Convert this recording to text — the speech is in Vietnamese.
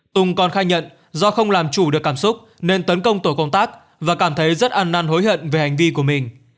tùng còn khai nhận do không làm chủ được cảm xúc nên tấn công tổ công tác và cảm thấy rất ăn năn hối hận về hành vi của mình